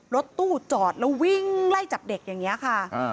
รถตู้จอดแล้ววิ่งไล่จับเด็กอย่างนี้ค่ะ